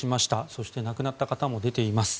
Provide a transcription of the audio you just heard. そして亡くなった方も出ています。